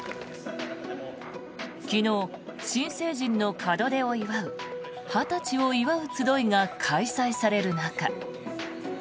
昨日、新成人の門出を祝う「二十歳を祝うつどい」が開催される中。